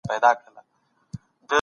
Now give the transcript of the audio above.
ټولنيز عدالت به تامين سي.